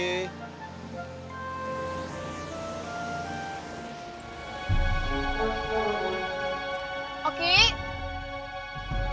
aku mau pergi